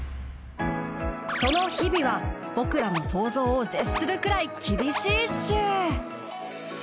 その日々は僕らの想像を絶するくらい厳しいっシュ。